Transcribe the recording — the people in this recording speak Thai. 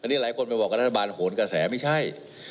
อันนี้หลายคนไปบอกกับรัฐบาลโหนกระแสไม่ใช่